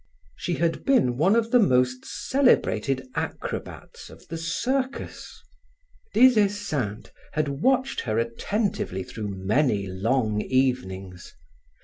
She had been one of the most celebrated acrobats of the Circus. Des Esseintes had watched her attentively through many long evenings.